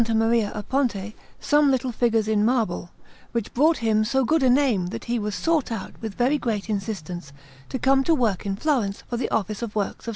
Maria a Ponte some little figures in marble, which brought him so good a name that he was sought out with very great insistence to come to work in Florence for the Office of Works of S.